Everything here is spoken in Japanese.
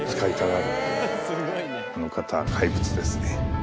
あの方は怪物ですね。